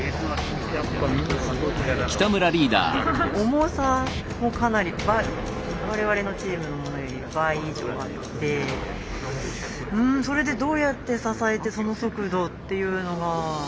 重さもかなり我々のチームのものより倍以上あってうんそれでどうやって支えてその速度っていうのが。